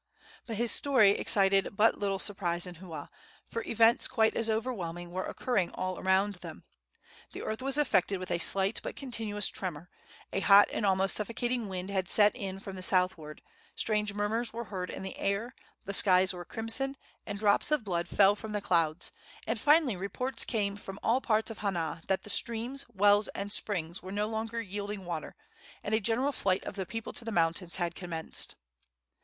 But his story excited but little surprise in Hua, for events quite as overwhelming were occurring all around them. The earth was affected with a slight but continuous tremor; a hot and almost suffocating wind had set in from the southward; strange murmurs were heard in the air; the skies were crimson, and drops of blood fell from the clouds; and finally reports came from all parts of Hana that the streams, wells and springs were no longer yielding water, and a general flight of the people to the mountains had commenced.